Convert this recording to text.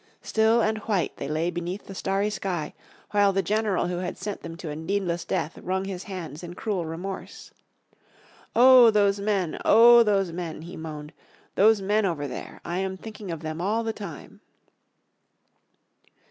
Still and white they lay beneath the starry sky while the general who had sent them to a needless death wrung his hands in cruel remorse. "Oh, those men, Oh, those men," he moaned, "those men over there. I am thinking of them all the time."